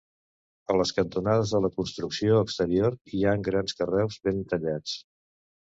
A les cantonades de la construcció exterior hi ha grans carreus ben tallats.